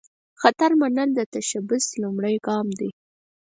خطر منل، د تشبث لومړۍ ګام دی.